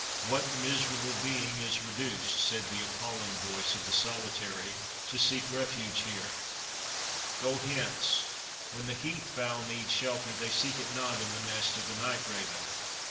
"What miserable being is reduced," said the appalling voice of the Solitary, "to seek refuge here? Go hence; when the heath fowl need shelter, they seek it not in the nest of the night raven."